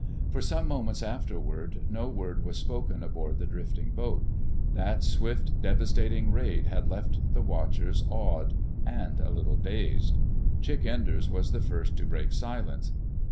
For some moments afterward no word was spoken aboard the drifting boat. That swift, devastating raid had left the watchers awed, and a little dazed. Chick Enders was the first to break silence.